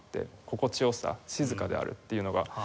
心地良さ静かであるっていうのが。